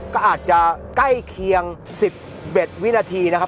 ก็อาจจะใกล้เคียง๑๑วินาทีนะครับ